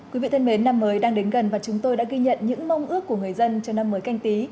quý vị thân mến năm mới đang đến gần và chúng tôi đã ghi nhận những mong ước của người dân cho năm mới canh tí